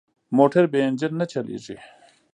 موټر بې انجن نه چلېږي.